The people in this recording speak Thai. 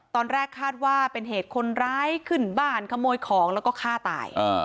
ตอนแรกคาดว่าเป็นเหตุคนร้ายขึ้นบ้านขโมยของแล้วก็ฆ่าตาย